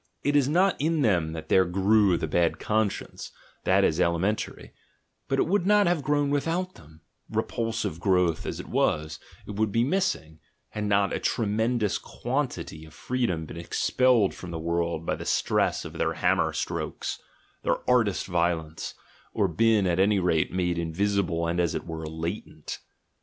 It is not in them that there grew the bad conscience, that is elementary —but it would not have grown without than, repulsive growth as it was, it would be missing, had not a tremendous quantity of freedom been expelled from the world by the stress of their hammer strokes, their artist violence, or been at any rate made invisible and, as it were, latent.